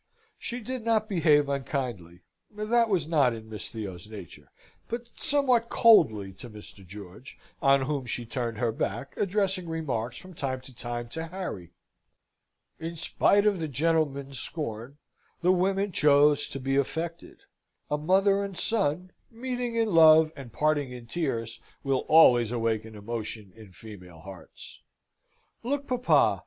She did not behave unkindly that was not in Miss Theo's nature but somewhat coldly to Mr. George, on whom she turned her back, addressing remarks, from time to time, to Harry. In spite of the gentlemen's scorn, the women chose to be affected. A mother and son, meeting in love and parting in tears, will always awaken emotion in female hearts. "Look, papa!